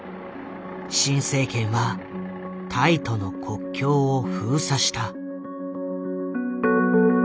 新政権はタイとの国境を封鎖した。